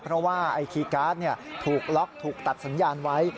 เพราะว่าไอ้คีย์การ์ดถูกล็อกถูกตัดสัญญาณไว้